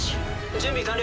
準備完了。